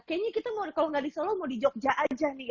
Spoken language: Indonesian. kayaknya kita kalau nggak di solo mau di jogja aja nih